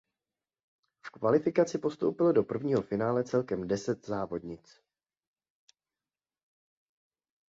V kvalifikaci postoupilo do prvního finále celkem deset závodnic.